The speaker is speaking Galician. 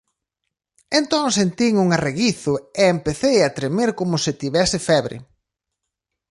Entón sentín un arreguizo, e empecei a tremer como se tivese febre.